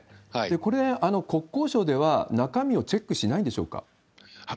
これ、国交省では中身をチェックしないんでしょうか？